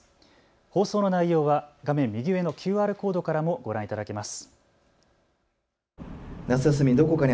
放送の内容は画面右上のＱＲコードからもご覧いただけます。